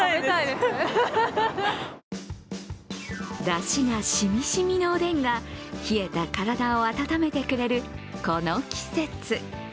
だしが染み染みのおでんが冷えた体を温めてくれる、この季節。